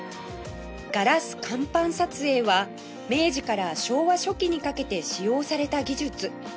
ガラス乾板撮影は明治から昭和初期にかけて使用された技術